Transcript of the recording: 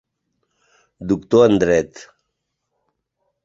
Doctor en dret.